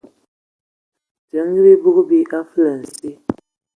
Timigi bibug bi a fulansi.